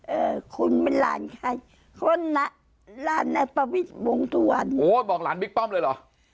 เอ่อคุณมันหลานใครคนล้าล้านอาปวิสวงศ์ตู้วันโหบอกหลานบิ๊กป้อมเลยเหรอ